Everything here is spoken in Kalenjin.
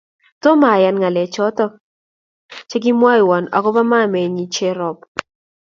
Tomo ayaan ngalek choto chegigimwawon agoba mamaneyi Cherop